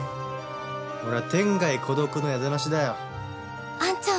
俺は、天涯孤独な宿なしだよ。